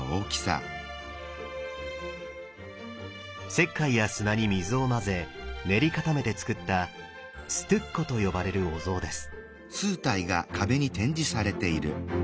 石灰や砂に水を混ぜ練り固めてつくった「ストゥッコ」と呼ばれるお像です。